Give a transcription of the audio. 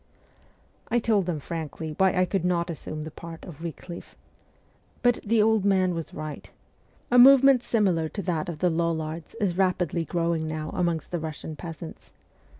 I told them frankly why I could not assume the part of Wiclif. But the old man was right. A movement similar to that of the Lollards is rapidly growing now amongst the Russian peasants.